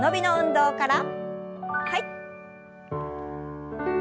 はい。